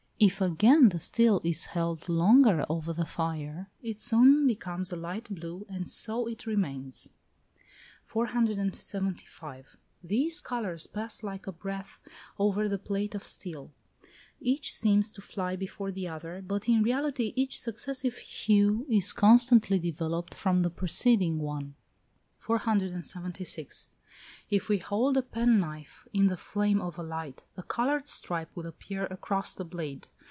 If, again, the steel is held longer over the fire, it soon becomes a light blue, and so it remains. 475. These colours pass like a breath over the plate of steel; each seems to fly before the other, but, in reality, each successive hue is constantly developed from the preceding one. 476. If we hold a penknife in the flame of a light, a coloured stripe will appear across the blade.